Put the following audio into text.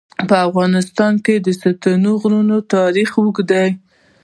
په افغانستان کې د ستوني غرونه تاریخ اوږد دی.